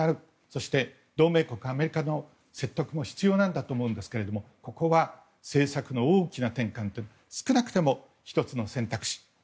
そして、同盟国のアメリカの説得も必要だと思いますがここは政策の大きな転換と少なくとも１つの選択肢